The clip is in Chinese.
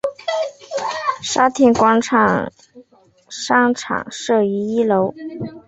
沙田广场商场设于一楼。